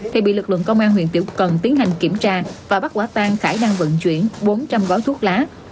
thì bị lực lượng công an huyện tiểu cần tiến hành kiểm tra và bắt quả tang khải đang vận chuyển bốn trăm linh gói thuốc lá